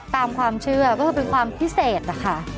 ตามความเชื่อก็คือเป็นความพิเศษนะคะ